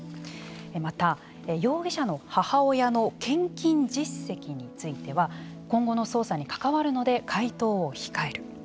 また、容疑者の母親の献金実績については今後の捜査に関わるので回答を控える。